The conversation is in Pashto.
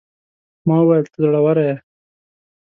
ما وويل: ته زړوره يې.